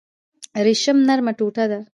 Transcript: ریشم نرمه ټوټه ده